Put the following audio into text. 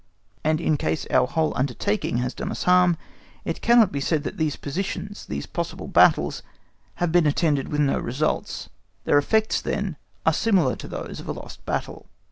And in case our whole undertaking has done us harm, it cannot be said that these positions, these possible battles, have been attended with no results; their effects, then, are similar to those of a lost battle.